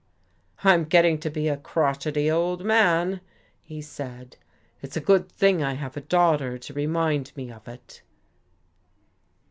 "I'm getting to be a crotchety old man," he said. "It's a good thing I have a daughter to remind me of it."